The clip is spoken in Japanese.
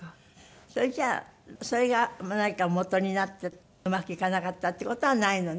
それじゃあそれが何かもとになってうまくいかなかったって事はないのね？